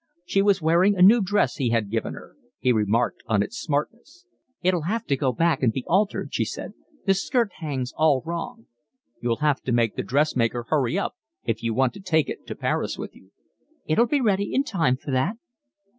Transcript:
She was wearing a new dress he had given her. He remarked on its smartness. "It'll have to go back and be altered," she said. "The skirt hangs all wrong." "You'll have to make the dressmaker hurry up if you want to take it to Paris with you." "It'll be ready in time for that."